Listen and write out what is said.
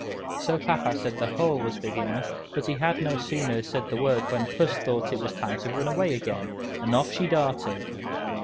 Soon papa said the hole was big enough, but he had no sooner said the word, when Puss thought it was time to run away again, and off she darted.